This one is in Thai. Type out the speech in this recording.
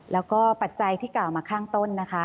แล้วก็ปัจจัยที่กล่าวมาข้างต้นนะคะ